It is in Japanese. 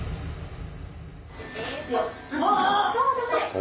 お！